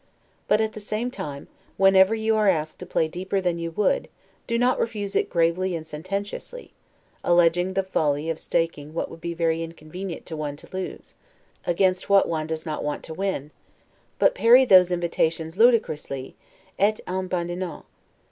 But, at the same time, whenever you are asked to play deeper than you would, do not refuse it gravely and sententiously, alleging the folly of staking what would be very inconvenient to one to lose, against what one does not want to win; but parry those invitations ludicrously, 'et en badinant'.